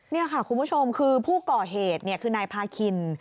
นี่ค่ะคุณผู้ชมคือผู้ก่อเหตุคือนายพาคิน